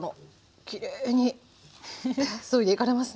きれいにそいでいかれますね。